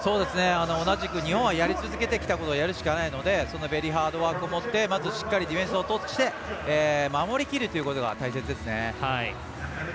同じく日本はやり続けてきたことをやるしかないのでベリーハードワークをもってまずしっかりディフェンスをとって守りきるということが大切ですね。